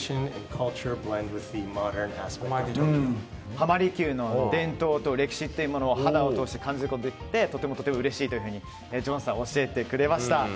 浜離宮の伝統と歴史というものを肌を通して感じることができてとてもうれしいと教えてくれました。